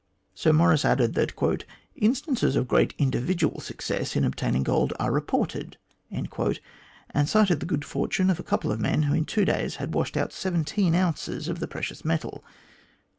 Sir Maurice added that "instances of great individual success in obtaining gold are reported," and cited the good fortune of a couple of men who in two days had washed out seventeen ounces of the precious metal.